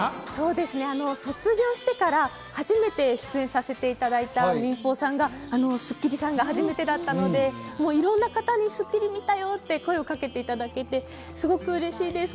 あつこお姉さん、マンスリ卒業してから初めて出演させていただいた民法さんが『スッキリ』さんが初めてだったので、いろんな方に『スッキリ』見たよって声をかけていただけてすごく嬉しいです。